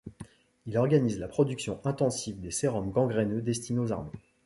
Il organise la production intensive des sérums gangreneux destinés aux armées.